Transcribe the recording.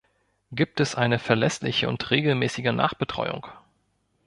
Gibt es eine verlässliche und regelmäßige Nachbetreuung?